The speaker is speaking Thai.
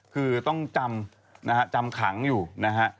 คือต้องจำนะฮะจำขังอยู่นะฮะ